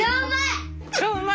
超うまい！